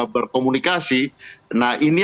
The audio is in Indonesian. berkomunikasi nah ini